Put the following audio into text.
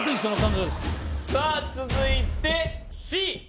さあ続いてＣ。